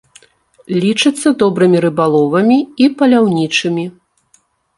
Лічацца добрымі рыбаловамі і паляўнічымі.